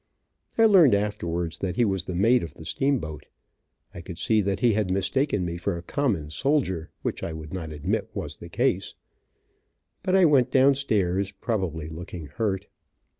I learned afterwards that he was the mate of the steamboat. I could see that he had mistaken me for a common soldier, which I would not admit was the case, but I went down stairs, probably looking hurt.